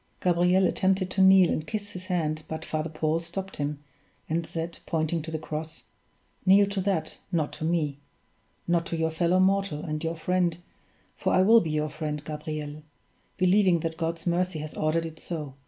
Gabriel attempted to kneel and kiss his hand but Father Paul stopped him, and said, pointing to the cross: "Kneel to that not to me; not to your fellow mortal, and your friend for I will be your friend, Gabriel; believing that God's mercy has ordered it so.